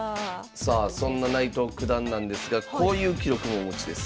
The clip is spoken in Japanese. さあそんな内藤九段なんですがこういう記録もお持ちです。